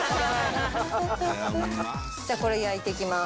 じゃあこれ焼いて行きます。